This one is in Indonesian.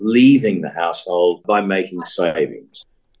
dan bisa saya mengurangkan uang yang keluar